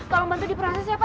tolong bantu di proses ya pak